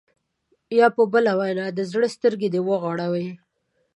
یا په بله وینا د زړه سترګې دې وغړوي.